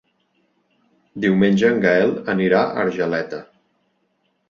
Diumenge en Gaël anirà a Argeleta.